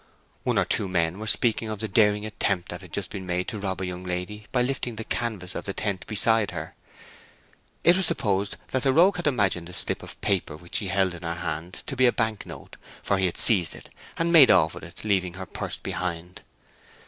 One or two men were speaking of a daring attempt that had just been made to rob a young lady by lifting the canvas of the tent beside her. It was supposed that the rogue had imagined a slip of paper which she held in her hand to be a bank note, for he had seized it, and made off with it, leaving her purse behind.